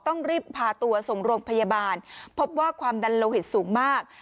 ต้องรีบพาตัวส่งโรงพยาบาลพบว่าความดันโลหิตสูงมาก